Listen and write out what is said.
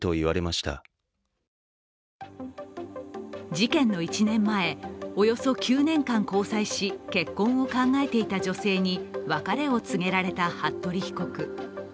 事件の１年前、およそ９年間交際し結婚を考えていた女性に別れを告げられた服部被告。